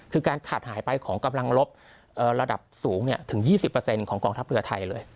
คือการขาดหายไปของกำลังลบระดับสูงถึง๒๐ของกองทัพเรือไทยเลย